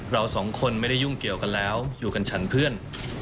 เราสองคนไม่ได้ยุ่งเกี่ยวกันแล้วอยู่กันฉันเพื่อน